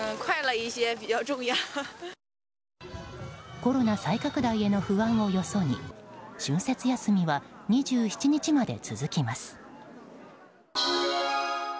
コロナ再拡大への不安をよそに春節休みは２７日まで続きます。